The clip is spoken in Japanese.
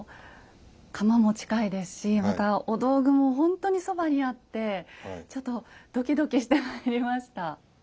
釜も近いですしまたお道具も本当にそばにあってちょっとドキドキしてまいりました。